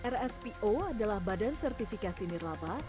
rspo adalah badan sertifikasi nirlaba